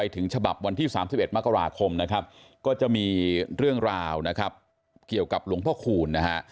ถึงฉบับวันที่๓๑มกราคมก็จะมีเรื่องราวเกี่ยวกับหลวงพ่อคูณ